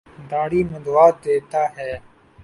داڑھی منڈوا دیتا ہے۔